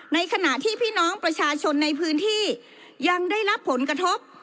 ในขณะที่พี่น้องประชาชนในพื้นที่ยังได้รับผลกระทบ